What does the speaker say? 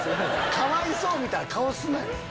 かわいそうみたいな顔すなよ。